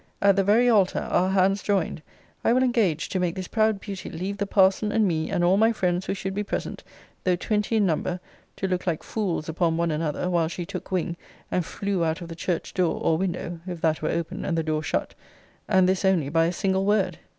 At the very altar, our hands joined, I will engage to make this proud beauty leave the parson and me, and all my friends who should be present, though twenty in number, to look like fools upon one another, while she took wing, and flew out of the church door, or window, (if that were open, and the door shut); and this only by a single word.